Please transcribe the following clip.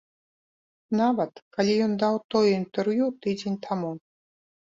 Нават калі ён даў тое інтэрв'ю тыдзень таму.